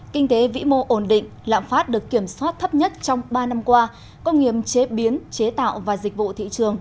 kinh tế vĩ mô ổn định lạm phát được kiểm soát thấp nhất trong ba năm qua công nghiệp chế biến chế tạo và dịch vụ thị trường